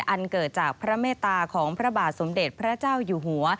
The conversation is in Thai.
อันเกิดจากพระเมตตาของพระบาทสมเด็จพระเจ้าอยู่หัว